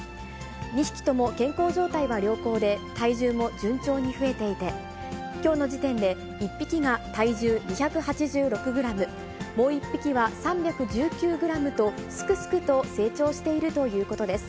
２匹とも健康状態は良好で、体重も順調に増えていて、きょうの時点で、１匹が体重２８６グラム、もう１匹は３１９グラムと、すくすくと成長しているということです。